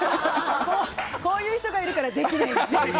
こういう人がいるからできない。